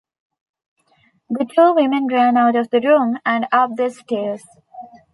The two women ran out of the room and up the stairs.